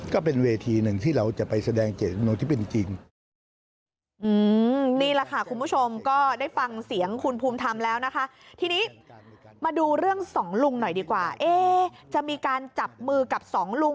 ก็เป็นเวทีหนึ่งที่เราจะไปแสดงเจตนาที่เป็นจริง